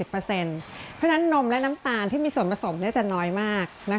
เพราะฉะนั้นนมและน้ำตาลที่มีส่วนผสมจะน้อยมาก